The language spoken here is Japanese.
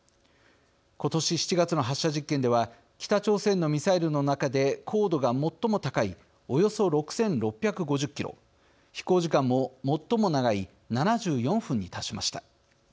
今年７月の発射実験では北朝鮮のミサイルの中で高度が最も高いおよそ６，６５０キロ飛行時間も最も長い７４分に達しました。